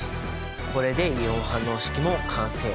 これでイオン反応式も完成！